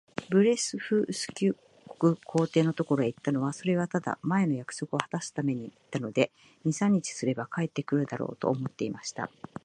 ブレフスキュ国皇帝のところへ行ったのは、それはただ、前の約束をはたすために行ったので、二三日すれば帰って来るだろう、と思っていました。